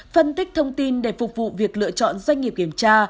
phân tích thông tin để phục vụ việc lựa chọn doanh nghiệp kiểm tra